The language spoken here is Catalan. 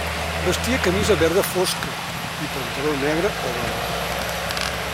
Vestia camisa verda fosca i pantaló negre o blanc.